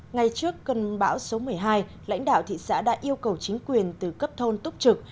ngay trước cơn bão số một mươi hai lãnh đạo thị xã đã yêu cầu chính quyền từ cấp thôn túc trực